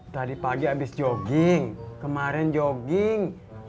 tadi pagi habis jogging kemarin jogging